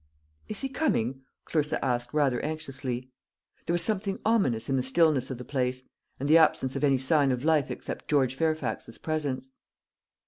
"Is he coming?" Clarissa asked, rather anxiously. There was something ominous in the stillness of the place, and the absence of any sign of life except George Fairfax's presence.